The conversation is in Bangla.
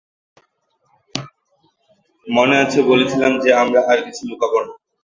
মনে আছে বলেছিলাম যে আমরা আর কিছু লুকাবো না?